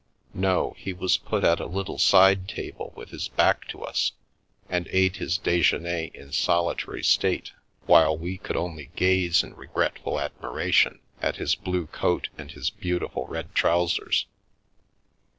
No, he was put at a little side table with his back to us, and ate his dejeuner in solitary state, while we could only gaze in regretful admiration at his blue coat and his beautiful red trousers.